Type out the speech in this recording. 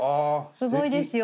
すごいですよ。